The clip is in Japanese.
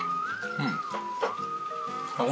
うん。